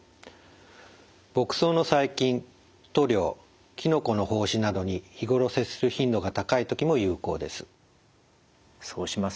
牧草の細菌塗料きのこの胞子などに日頃接する頻度が高い時も有効です。